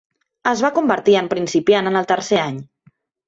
Es va convertir en principiant en el tercer any.